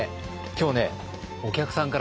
今日ねお客さんからね